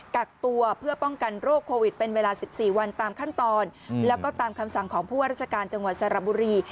กักตัวเพื่อป้องกันโรคโควิดเป็นเวลา๑๔วันตามขั้นตอนแล้วก็ตามคำสั่งของผู้ว่าราชการจังหวัดสระบุรี